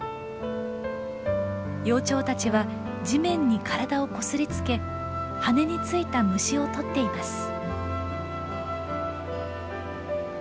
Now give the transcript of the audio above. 幼鳥たちは地面に体をこすりつけ羽についた虫を取っています。